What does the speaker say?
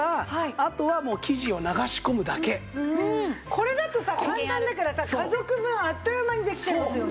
これだとさ簡単だからさ家族分あっという間にできちゃいますよね。